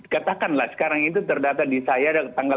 katakanlah sekarang itu terdata di saya dan di pasangan